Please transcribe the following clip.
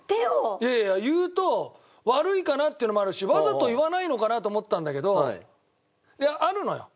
いやいや言うと悪いかなっていうのもあるしわざと言わないのかなと思ってたんだけどいやあるのよ。